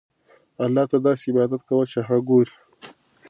الله ته داسې عبادت کوه چې هغه ګورې.